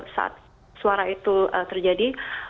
saat suara itu terjadi